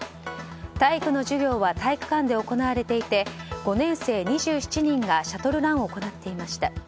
体育の授業は体育館で行われていて５年生２７人がシャトルランを行っていました。